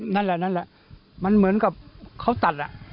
นั่นแหละมันเหมือนกับเขาตัด